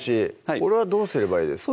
これはどうすればいいですか？